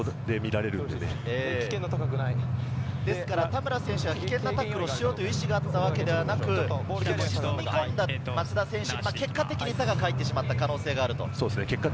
田村選手は危険なタックルをしようという意志があったわけではなく、結果的に高く入ってしまった可能性がある。